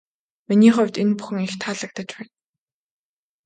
Миний хувьд энэ бүхэн их таалагдаж байна.